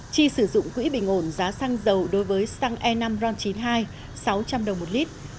chi sử dụng quỹ bình ổn giá xăng dầu đối với xăng e năm ron chín mươi hai sáu trăm linh đồng một lít